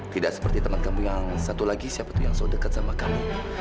tidak seperti teman kamu yang satu lagi siapa tuh yang so deket sama kamu